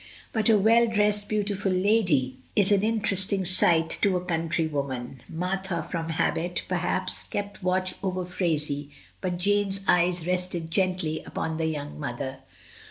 But a well dressed, beautiful lady is an interesting sight to a country woman. Martha from habit, per haps, kept watch over Phraisie, but Jane's eyes rested gently upon the young mother.